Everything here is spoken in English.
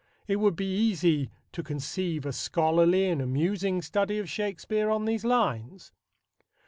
It would be easy to conceive a scholarly and amusing study of Shakespeare on these lines.